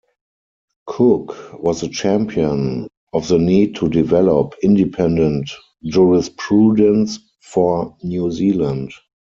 Cooke was a champion of the need to develop independent jurisprudence for New Zealand.